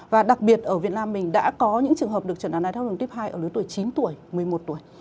và đặc biệt ở việt nam mình đã có những trường hợp được chẩn đoán đai tháo đường type hai ở lứa tuổi chín tuổi một mươi một tuổi